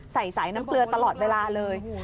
ใส่สายน้ำเกลือตลอดเวลาเลย